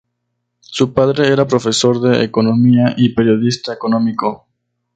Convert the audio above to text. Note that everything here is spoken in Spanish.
Su padre era profesor de economía y periodista económico.